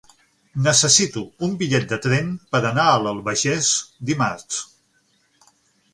Necessito un bitllet de tren per anar a l'Albagés dimarts.